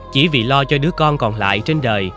chỉ vì lo cho đứa con còn lại trên đời